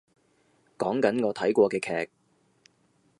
講緊我睇過嘅劇